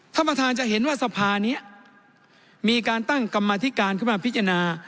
ท่านประธานจะเห็นว่าสภานี้มีการตั้งกรรมธิการขึ้นมาพิจารณา